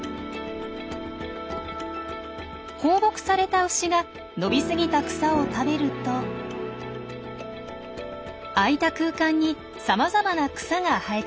放牧された牛が伸びすぎた草を食べると空いた空間にさまざまな草が生えてきます。